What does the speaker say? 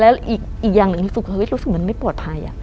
แล้วอีกอย่างหนึ่งรู้สึกมันไม่ปลอดภัย